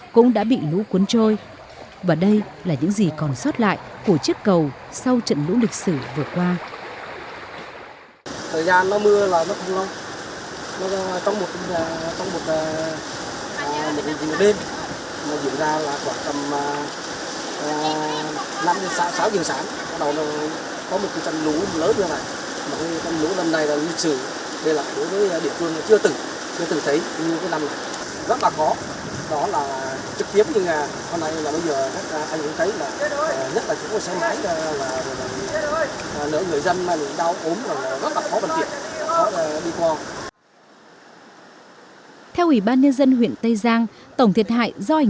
cũng đã bị lũ cuốn trở lại trong đường này